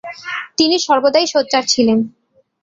তিনি সর্বদাই সোচ্চার ছিলেন।